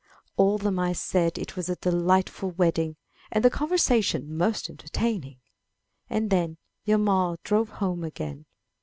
All the mice said it was a delightful wedding, and the conversation most entertaining. And then Hjalmar drove home again.